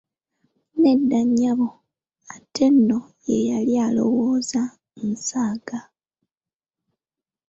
Nedda nyabo, ate nno ye yali alowooza nsaaga.